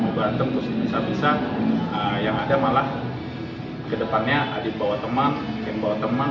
mau berantem terus bisa bisa yang ada malah kedepannya adik bawa teman yang bawa teman